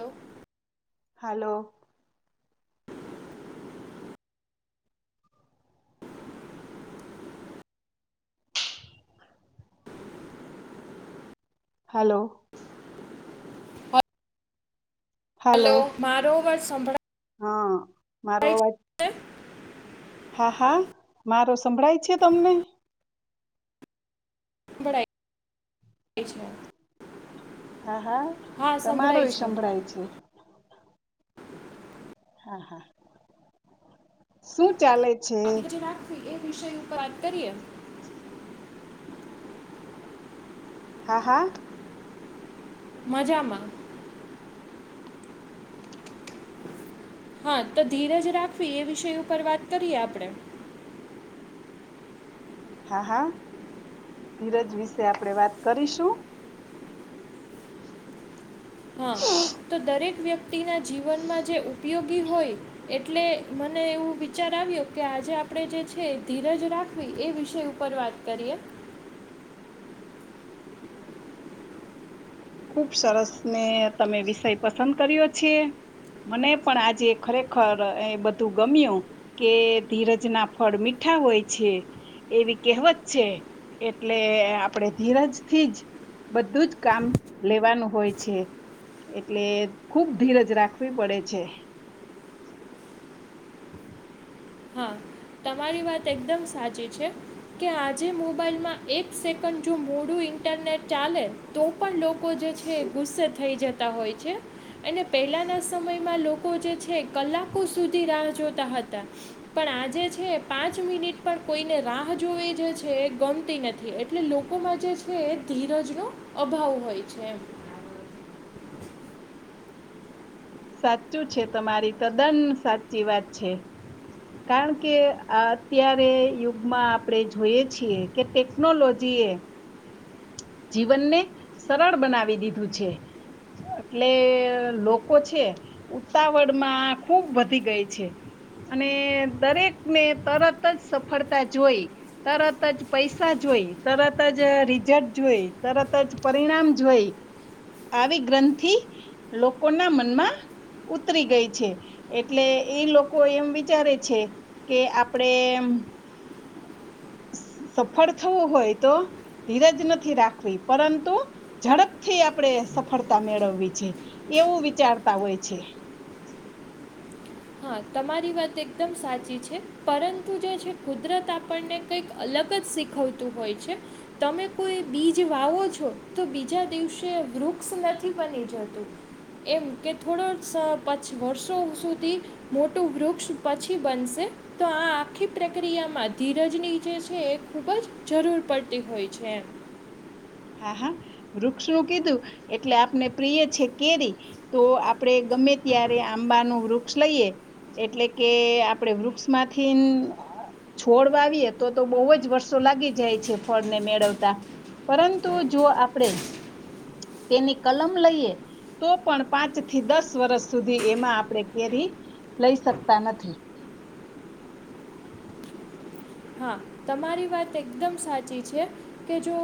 Hello. Hello. Hello. [inaudible] હાલો hello મારો અવાજ સંભળાય હા મારો વાત છે હા હા મારો સંભળાય છે સંભળાય તમને? [inaudible] [unintelligible] હા હા તમારો સંભળાય અવાજ છે સંભળાય છે. હા હા શું ચાલે? છે જ રાખવી એ વિષય ઉપર વાત કરીએ. હા હા. મજામાં. હા તો ધીરજ રાખવી એ વિષય ઉપર વાત કરીયે આપડે. હા, હા. ધીરજ વિશે આપણેે વાત કરીશું. હા, તો દરેક વ્યક્તિના જીવનમાં જે ઉપયોગી હોય એટલે મને એવું વિચાર આવ્યો, કે આજે આપણે જે છે ધીરજ રાખવી એ વિષય ઉપર વાત કરીએ. ખુબ સરસ ને તમે વિષય પસંદ કર્યો છે. મને પણ આજે ખરેખર એ બધું ગમ્યું કે ધીરજ ના ફળ મીઠા હોય છે. એવી કહેવત છે, એટલે આપણેે ધીરજ થી જ બધું જ કામ લેવાનું હોય છે, એટલે ખુબ ધીરજ રાખવી પડે છે. હા, તમારી વાત એકદમ સાચી છે. કે આજે મોબાઈલમાં એક સેકન્ડ જો મોડું ઇન્ટરનેટ ચાલે તો પણ લોકો જે છે ગુસ્સે થઈ જતા હોય છે. અને પહેલાના સમયમાં લોકો જે છે કલાકો સુધી રાહ જોતા હતા. પણ આજે છે, પાંચ મિનિટ પણ કોઈને રાહ જોવી જે છે એ ગમતી ન થી, એટલે લોકોમાં જે છે એ ધીરજનો અભાવ હોય છે એમ. સાચું છે, તમારી તદ્દન સાચી વાત છે. કારણ કે અત્યારે યુગમાં આપડે જોઈએ છીએ કે ટેકનોલોજીએ જીવનને, સરળ બનાવી દીધું છે. એટલે લોકો છે, ઉતાવળ માં ખુબ વધી ગઈ છે. અને દરેકને તરત જ સફળતા જોઈ તરત જ પૈસા જોઈ, તરત જ રિઝર જોઈ, તરત જ પરિણામ જોઈ આવી ગ્રંથી લોકો ના મનમાં ઉતરી ગઈ છે, એટલે એ લોકો એમ વિચારે છે કે આપડે મ સફળ થવું હોય તો ધીરજ નથી રાખવી, પરંતુ ઝડપથી આપડે સફળતા મેળવવી છે, એવું વિચારતા હોય છે. હા, તમારી વાત એકદમ સાચી છે. પરંતુ જે છે, કુદરત આપણને કંઈક અલગ જ શીખવતું હોય છે. તમે કોઈ બીજ વાવો છો તો બીજા દિવસે વૃક્ષ નથી બની જતું. એવું કે થોડા [unintelligible] પચ વર્ષો સુધી મોટું વૃક્ષ પછી બનશે તો આ આખી પ્રક્રિયામાં ધીરજની જે છે, એ ખૂબ જ જરૂર પડતી હોય છે એમ. હા, હા, વૃક્ષું કીધું એટલે આપને પ્રિય છે કેરી તો આપડે ગમે ત્યારે આંબા નું વૃક્ષ લઈએ એટલે કે આપણે વૃક્ષમાંથી છોડ વાવીએ તો તો બહુ જ વર્ષો લાગી જાય છે ફળને મેળવતા, પરંતુ જો આપડે, તેની કલમ લઈએ તો પણ પાંચ થી દસ વર્ષ સુધી એમાં આપણે કેરી લઈ શકતા નથી. હા તમારી વાત એકદમ સાચી છે, કે જો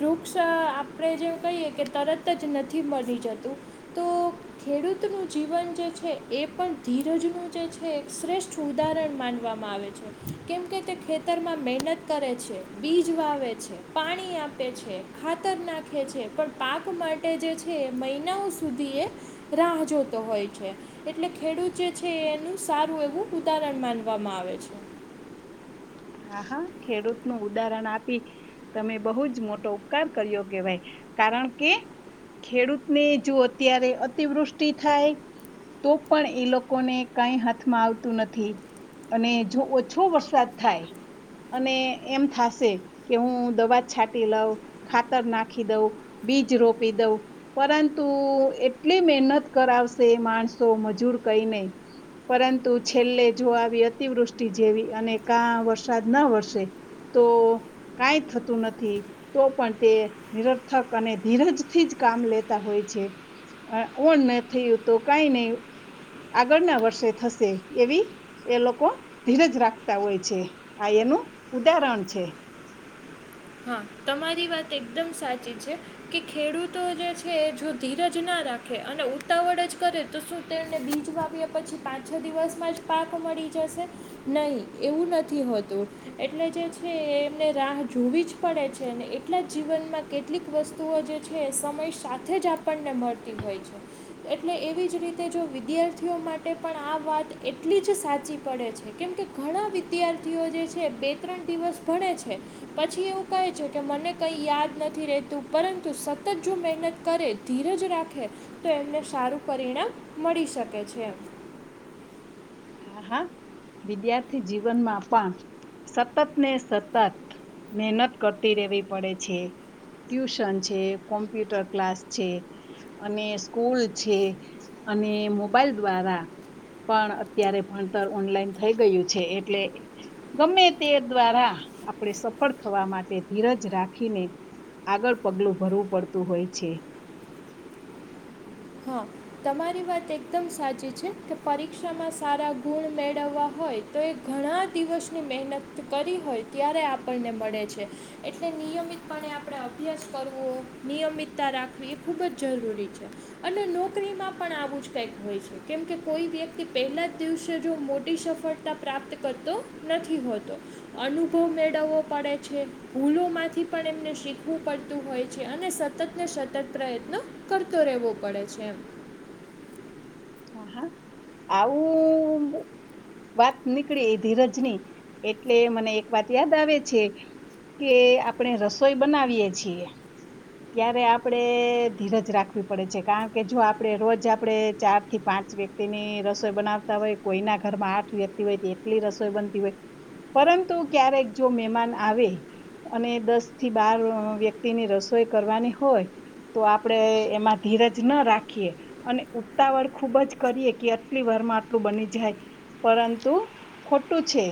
વૃક્ષ આપણેે જેવું કહીએ કે તરત જ નથી મળી જતું. તો [inaudible] ખેડૂતનું જીવન જે છે, એ પણ ધીરજનું જે છે એક શ્રેષ્ઠ ઉદાહરણ માનવામાં આવે છે. કેમકે તે ખેતરમાં મહેનત કરે છે, બીજ વાવે છે, પાણી આપે છે. ખાતર નાખે છે પણ પાક માટે જે છે, એ મહિનાઓ સુધી એ રાહ જોતો હોય છે. એટલે ખેડૂત જે છ, એનું સારું એવું ઉદાહરણ માનવામાં આવે છે. હા હા ખેડૂત નું ઉદાહરણ આપી તમે બહુજ મોટો ઉપકાર કર્યો કેવાય, કારણ કે ખેડૂતને જો અત્યારે અતિવૃષ્ટિ થાય તો પણ એ લોકોને કાંઈ હાથમાં આવતું નથી. અને જો ઓછો વરસાદ થાય અને એમ થશે કે, હું દવા છાંટી લઉ ખાતર નાખી દઉં, બીજ રોપી દઉં પરંતુ, એટલી મહેનત કરાવશે માણસો મજૂર કઈને પરંતુ છેલ્લે જો આવી અતિવૃષ્ટિ જેવી, અને કા વરસાદ ના વરસે તો કઈ થતું નથી તો પણ તે નિરર્થક અને ધીરજથી જ કામ લેતા હોય છે. આ ઓણ નહી થયું તો કઈ નહી આગળના વર્ષે થશે. એવી એ લોકો ધીરજ રાખતા હોય છે. આ એનું ઉદાહરણ છે. હા તમારી વાત એકદમ સાચી છે કે ખેડૂતો જે છે, જો ધીરજ ના રાખે અને ઉતાવળ જ કરે તો શું તોને બીજ વાપ્યા પછી પાંચ, છ દિવસમાં જ પાક મળી જશે? નહી. એવું નથી હોતું. એટલે જે છે એમને રાહ જોવી જ પડે છે. ને એટલા જીવનમાં કેટલીક વસ્તુઓ જે છે સમય સાથેજ આપ આપણને મળતી હોય છે. એટલે એવીજ રીતે જો વિદ્યાર્થીઓ માટે પણ આ વાત એટલી જ સાચી પડે છે. કેમ કે ઘણા વિદ્યાર્થીઓ જે છે, બે ત્રણ દિવસ ભડે છે પછી એવું કહે છે કે મને કંઈ યાદ નથી રહેતું, પરંતુ સતત જો મહેનત કરે, ધીરજ રાખે તો એમને સારું પરિણામ મળી શકે છે મ હા, હા, વિદ્યાર્થી જીવનમાં પણ સતત ને સતર્થ મહેનત કરતી રહેેવી પડે છે. ટ્યુશન છે, કોમ્પ્યુટર ક્લાસ છે. અને સ્કૂલ છે, અને મોબાઈલ દ્વારા પણ ત્યારે ભણતર ઓનલાઈન થઈ ગયું છે એટલે ગમે તે દ્વારા આપણે સફળ થવા માટે ધીરજ રાખીને આગળ પગલું ભરવું પડતું હોય છે. હા. તમારી વાત એકદમ સાચી છે કે પરીક્ષામાં સારા ગુણ મેળવવા હોય તો એ ઘણા દિવસની મહેનત કરી હોય ત્યારે આપણને મળે છે એટલે નિયમિતપણે આપણે અભ્યાસ કરવો નિયમિતતા રાખવી એ ખૂબ જ જરૂરી છે અને નોકરીમાં પણ આવું જ કંઈક કેમકે કોઈ વ્યક્તિ પહેલા જ દિવસે જો મોટી સફળતા પ્રાપ્ત કરતો નથી હોતો અનુભવ મેળવવો પડે છે. ભૂલો માંથી પણ એમને શીખવું પડતું હોય છે અને સ તત ને શતત પ્રયત્ન કરતો રહેવો પડે છે એમ હા, હા, આવું વાત નીકળી એ ધીરજની, એટલે મને એક વાત યાદ આવે છે કે આપણે રસોઈ બનાવીયએ છીએ ત્યારે આપડે ધીરજ રાખવી પડે છે કારણ કે જો આપડે રોજ આપણેે ચાર થી પાંચ વ્યક્તિની રસોઈ બનાવતા હોય કોઈના ઘરમાં આઠ વ્યક્તિ હોય તો એટલી રસોઈ બનતી હોય પરંતુ ક્યારેક જો મહેમાન આવે અને દસ થી બાર વ્યક્તિની રસોઈ કરવાની હોય. તો આપણેે એમાં ધીરજ ના રાખીએ અને ઉતાવળ ખુબ જ કરીએ, કે આટલી વાર માં આટલું બની જાય, પરંતુ ખોટું છે એ.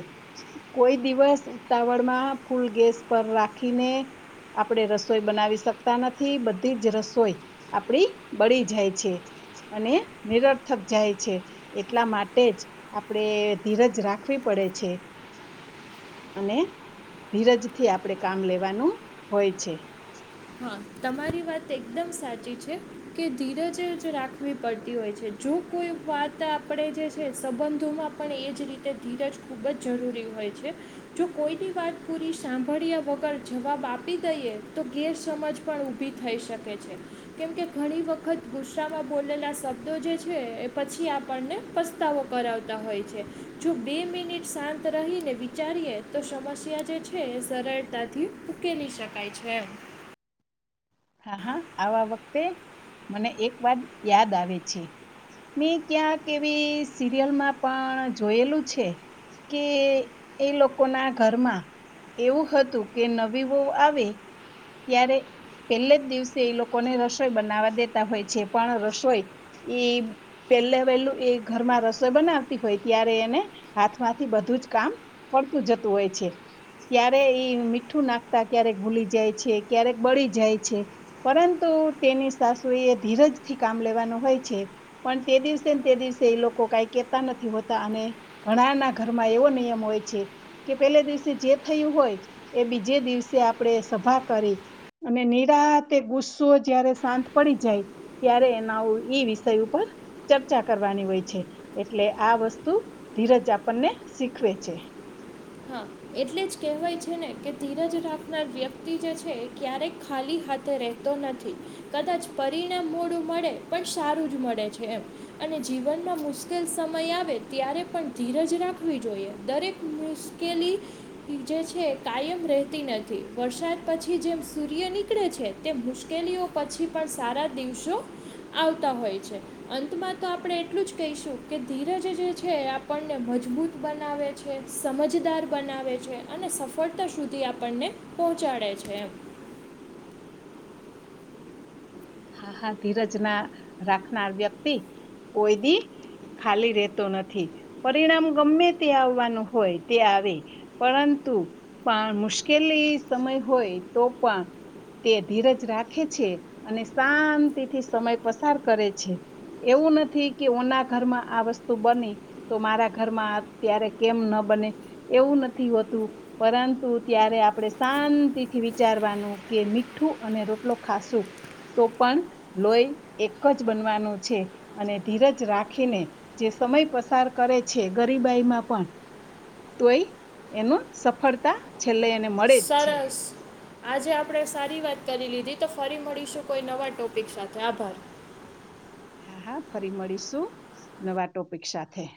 કોઈ દિવસ ઉતાવળમાં ફૂલ ગેસ પર રાખીને આપડણે રસોઈ બનાવી શકતા નથી, બધી જ રસોઈ આપડી બળી જાય છે અને નિરર્થક જાય છે એટલા માટે જ આપણે ધીરજ રાખવી પડે છે અને ધીરજથી આપણેે કામ લેવાનું હોય છે હા તમારી વાત એકદમ સાચી છે કે ધીરજ જ રાખવી પડતી હોય છે જો કોઈ વાત આપણે જે છે સંબંધોમાં પણ એ જ રીતે ધીરજ ખૂબ જ જરૂરી હોય છે જો કોઈની વાત પૂરી સાંભળ્યા વગર જવાબ આપી દઈએ તો ગેર સમજ પણ ઉભી થઈ શકે છે કેમકે ઘણી વખત ગુસ્સાામાં બોલેલા શબ્દો જે છે એ પછી આપણને પસ્તાવો કરાવતા હોય છે જો બે મિનિટ શાંત રહીને વિચારીએ તો સમસ્યા જે છે સરળતાથી ઉકેલી શકાય છે હા હા આવા વખતે મને એક વાત યાદ આવે છે મેં ક્યાંક એવી સિરિયલમાં પણ જોયેલું છે કે એ લોકો ના ઘરમાં એવું હતું કે નવી વહુ આવે ત્યારે પેલે જ દિવસે એ લોકોને રસોઈ બનાવા દેતા હોય છે પણ રસોઈ ઈ પહેલે વહેલું એ ઘરમાં રસોઈ બનાવતી હોય ત્યારે એને હાથમાંથી બધું જ કામ પડતું જતું હોય છે ક્યારે ઈ મીઠું નાખતા ક્યારેક ભૂલી જાય છે ક્યારેક બળી જાય પરંતુ તેની સાસુ એ ધીરજથી કામ લેવાનું હોય છે પણ તે દિવસે ને તે દિવસે એ લોકો કઈ કેહેતા નથી હોતા અને ઘણા ના ઘરમાં એવો નિયમ હોય છે કે પેલા દિવસે જે થયું હોય એ બીજે દિવસે આપણેે સભા કરી અને નીર તે ગુસ્સો જયારે શાંત પડી જાય ત્યારે એના એ વિષય ઉપર ચર્ચા કરવાની હોય છે એટલે આ વસ્તુ ધીરજ આપણને શીખવે છે. હા એટલે જ કહેવાય છે ને કે ધીરજ રાખનાર વ્યક્તિ જે છે ક્યારેક ખાલી રહેતો નથી કદાચ પરિણામ મોડું મળે પણ સારું જ મળે છે. અને જીવનમાં મુશ્કેલ સમય આવે ત્યારે પણ ધીરજ રાખવી જોઈએ દરેક કેલી જે છે કાયમ રેહતી નથી વરસાદ પછી જેમ સૂર્ય નીકળે છે. તે મુશ્કેલીઓ પછી પણ સારા દિવસો આવતા હોય છે. અંતમાં તો આપણે એટલું જ કહીશું કે ધીરજ જે છે એ આપણને મજબૂત બનાવે છે સમજદાર બનાવે છે અને સફળતા સુધી આપણને પહોંચાડે છે એમ. હા હા ધીરજ ના રાખનાર વ્યક્તિ કોઈ દી ખાલી રહેતો નથી પરિણામ ગમે તે આવવાનું હોય તે આવે. પરંતુ પણ મુશ્કેલી સમય હોય તો પણ તે ધીરજ રાખે છે અને શાંતિથી સમય પસાર કરે છે. એવું નથી કે ઓના ઘરમાં આ વસ્તુ બની તો મારા ઘરમાં અત્યારે કેમ ન બને એવું નથી હોતું. પરંતુ ત્યારે આપણે શાંતિથી વિચારવાનું કે મીઠું અને રોટલો ખાસું તો પણ લોહી એક જ બનવાનું છે. અને ધીરજ રાખીને જે સમય પસાર કરે છે ગરીબાઈમાં પણ તોય એનું સફળતા છેલ્લે અને સરસ. આજે આપણે સારી વાત કરી લીધી તો ફરી મળીશું કોઈ નવા ટોપિક સાથે આભાર. હા હા ફરી મળીશું નવા ટોપિક સાથે.